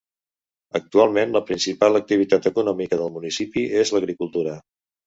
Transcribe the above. Actualment, la principal activitat econòmica del municipi és l'agricultura.